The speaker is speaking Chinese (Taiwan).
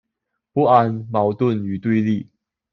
不安、矛盾、與對立